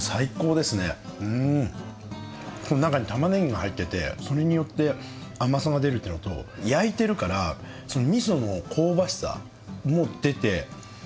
この中にたまねぎが入っててそれによって甘さが出るっていうのと焼いてるからみその香ばしさも出てすばらしいっすよ。